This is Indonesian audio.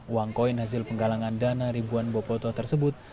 uang koin hasil penggalangan dana ribuan boboto tersebut